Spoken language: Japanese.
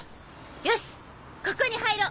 よしここに入ろう！